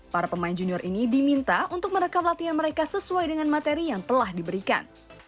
para pemain junior ini diminta untuk merekam latihan mereka sesuai dengan materi yang telah diberikan